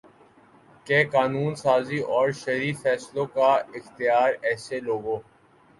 کہ قانون سازی اور شرعی فیصلوں کا اختیار ایسے لوگوں